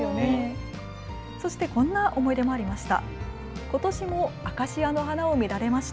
そしてこんな思い出もありました。